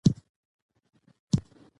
لومړی مطلب : اسلام پیژندنه